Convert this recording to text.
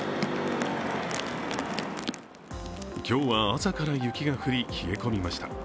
今日は朝から雪が降り冷え込みました。